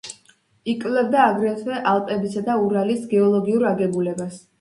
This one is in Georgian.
იკვლევდა აგრეთვე ალპებისა და ურალის გეოლოგიურ აგებულებას.